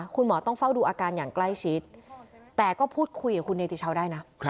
คุณหมอต้องเฝ้าดูอาการอย่างใกล้ชิดแต่ก็พูดคุยกับคุณเนติชาวได้นะ